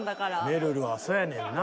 めるるはそやねんな。